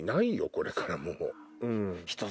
これからもう。